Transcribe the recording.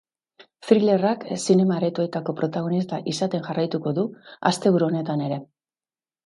Thrillerrak zinema-aretoetako protagonista izaten jarraituko du asteburu honetan ere.